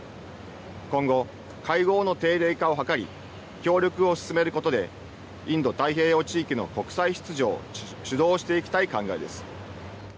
今後、会合の定例化を図り協力を進めることでインド太平洋地域の国際秩序を主導していきたい考えです。